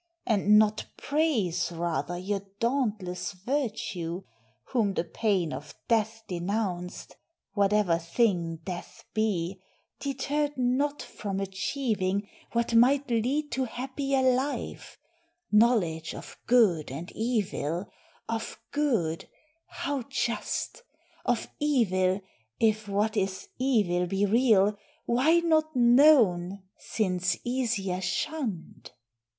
and not praise Rather your dauntless virtue, whom the pain Of death denounced, whatever thing death be, Deterred not from achieving what might lead To happier life, knowledge of good and evil; Of good, how just? of evil, if what is evil Be real, why not known, since easier shunned?